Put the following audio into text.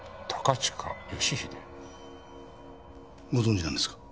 ご存じなんですか？